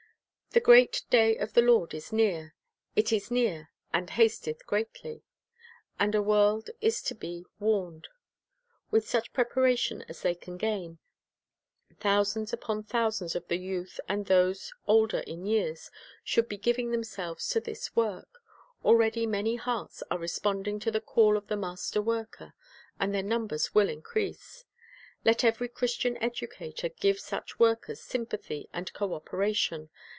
"The great day of the Lord is near, it is near, and hasteth greatly." 1 And a world is to be warned. With such preparation as they can gain, thousands 1 Zeph. i : 14. The Life Work 271 upon thousands of the youth and those older in years should be giving themselves to this work. Already many hearts are responding to the call of the Master Worker, and their numbers will increase. Let every Christian educator give such workers sympathy and co operation.